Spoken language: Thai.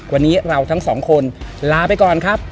วันนี้เราทั้งสองคนลาไปก่อนครับ